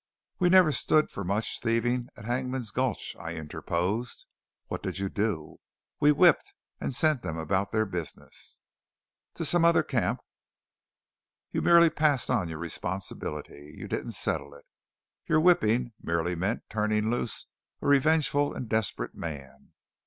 "We never stood for much thieving at Hangman's Gulch," I interposed. "What did you do?" "We whipped and sent them about their business." "To some other camp. You merely passed on your responsibility; you didn't settle it. Your whipping merely meant turning loose a revengeful and desperate man.